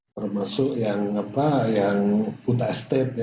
termasuk yang puta estate